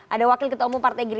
ada wakil ketua umum partai gerindra